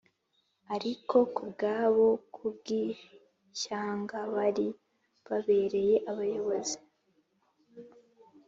Ariko, ku bwabo, ku bw’ishyanga bari babereye abayobozi,